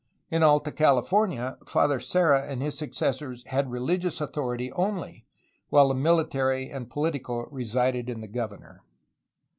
In Alta Cali fornia, Father Serra and his successors had religious authority only, while the mihtary and poUtical resided in the governor.